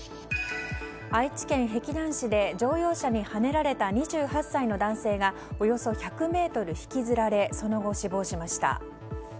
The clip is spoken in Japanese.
愛知県碧南市で乗用車にはねられた２８歳の男性がおよそ１００ｍ引きずられその後、死亡しました。